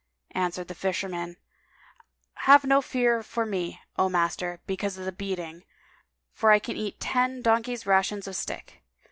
Answered the Fisherman, "Have no fear for me, O master, because of the beating; for I can eat ten donkeys' rations of stick."